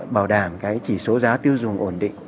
bảo đảm cái chỉ số giá tiêu dùng ổn định